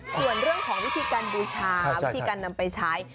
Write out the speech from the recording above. ส่วนเรื่องของวิธีการบูชาวิธีการนำไปใช้